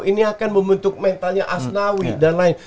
ini akan membentuk mentalnya asnawi dan lain